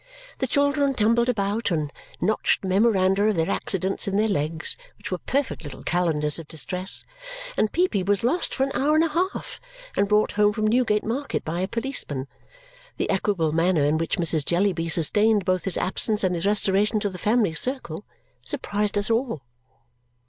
The children tumbled about, and notched memoranda of their accidents in their legs, which were perfect little calendars of distress; and Peepy was lost for an hour and a half, and brought home from Newgate market by a policeman. The equable manner in which Mrs. Jellyby sustained both his absence and his restoration to the family circle surprised us all.